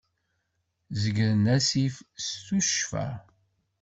Zeggren assif s tuccfa.